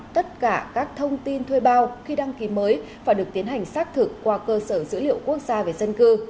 tất cả các thông tin thuê bao khi đăng ký mới phải được tiến hành xác thực qua cơ sở dữ liệu quốc gia về dân cư